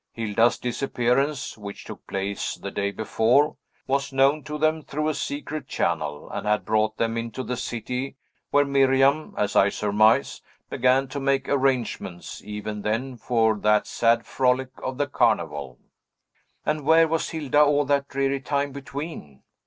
Hilda's disappearance, which took place the day before, was known to them through a secret channel, and had brought them into the city, where Miriam, as I surmise, began to make arrangements, even then, for that sad frolic of the Carnival." "And where was Hilda all that dreary time between?"